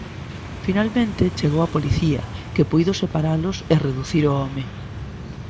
Finalmente chegou a policía, que puido separalos e reducir o home.